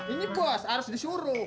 ini bos harus disuruh